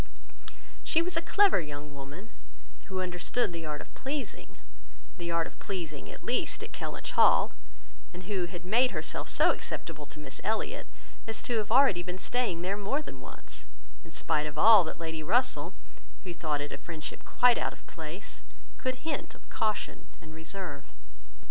She was a clever young woman, who understood the art of pleasing—the art of pleasing, at least, at Kellynch Hall; and who had made herself so acceptable to Miss Elliot, as to have been already staying there more than once, in spite of all that Lady Russell, who thought it a friendship quite out of place, could hint of caution and reserve.